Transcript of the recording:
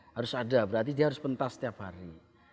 harus ada berarti dia harus pentas setiap hari